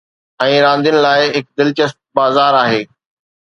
۽ راندين لاء هڪ دلچسپ بازار آهي.